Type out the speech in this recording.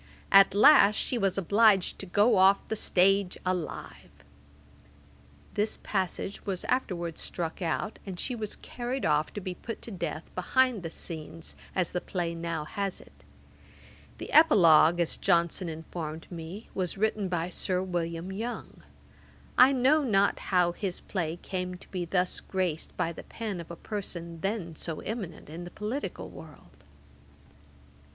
At last she was obliged to go off the stage alive.' This passage was afterwards struck out, and she was carried off to be put to death behind the scenes, as the play now has it. The Epilogue, as Johnson informed me, was written by Sir William Yonge. I know not how his play came to be thus graced by the pen of a person then so eminent in the political world.